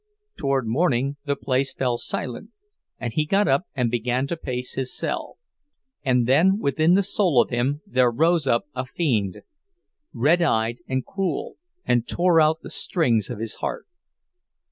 Toward morning the place fell silent, and he got up and began to pace his cell; and then within the soul of him there rose up a fiend, red eyed and cruel, and tore out the strings of his heart.